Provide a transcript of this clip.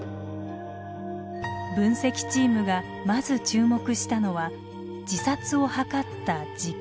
分析チームがまず注目したのは自殺を図った時間。